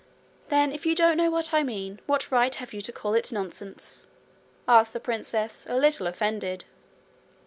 'Then if you don't know what I mean, what right have you to call it nonsense?' asked the princess, a little offended.